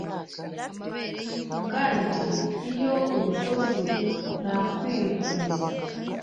kandi iyo ubikoze ntakwihunza